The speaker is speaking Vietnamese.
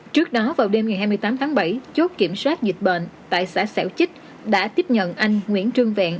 trước đó vào đêm ngày hai mươi tám tháng bảy chốt kiểm soát dịch bệnh tại xã xẻo chích đã tiếp nhận anh nguyễn trương vẹn